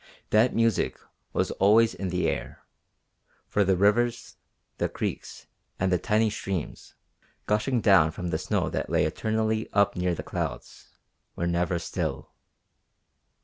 That music was always in the air, for the rivers, the creeks, and the tiny streams, gushing down from the snow that lay eternally up near the clouds, were never still.